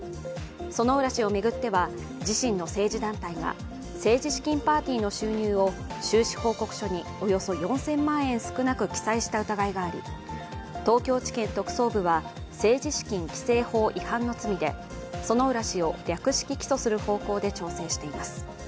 薗浦氏を巡っては自身の政治団体が政治資金パーティーの収入を収支報告書におよそ４０００万円少なく記載した疑いがあり東京地検特捜部は政治資金規正法違反の罪で薗浦氏を略式起訴する方向で調整しています。